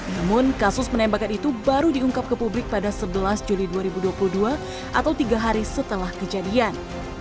namun kasus penembakan itu baru diungkap ke publik pada sebelas juli dua ribu dua puluh dua atau tiga hari setelah kejadian